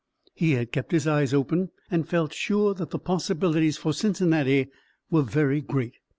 He had kept his eyes open and felt sure that the possibilities for Cincinnati were very great.